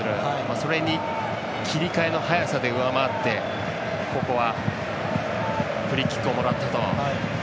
それに切り替えの早さで上回って、ここはフリーキックをもらったと。